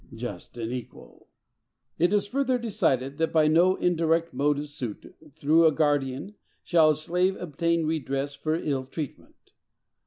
—Just and equal! It is further decided, that by no indirect mode of suit, through a guardian, shall a slave obtain redress for ill treatment.